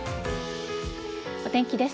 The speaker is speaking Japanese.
お天気です。